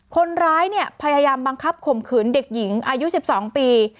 คนร้ายเนี่ยพยายามบังคับข่มขืนเด็กหญิงอายุ๑๒ปี